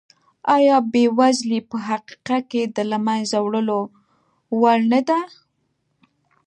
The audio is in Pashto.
ایا بېوزلي په حقیقت کې د له منځه وړلو وړ نه ده؟